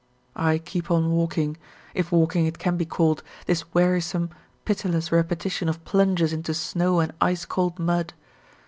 I keep on walking, if walking it can be called, this wearisome, pitiless repetition of plunges into snow and ice cold mud.